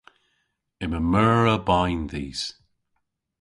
Yma meur a bayn dhis.